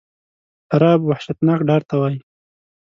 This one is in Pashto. رعب وحشتناک ډار ته وایی.